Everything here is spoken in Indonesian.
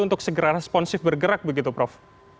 untuk segera responsif bergerak begitu prof